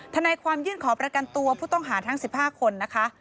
ทนายความยื่นขอประกันตัวผู้ต้องหาทั้ง๑๕คนนะคะ